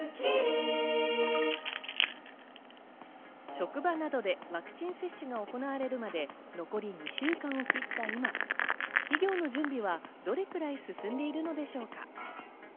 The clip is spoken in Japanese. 職場などでワクチン接種が行われるまで残り２週間を切った今、企業の準備はどれくらい進んでいるのでしょうか。